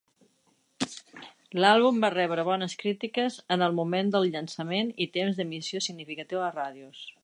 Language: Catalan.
L'àlbum va rebre bones crítiques en el moment del llançament i temps d'emissió significatiu a les ràdios.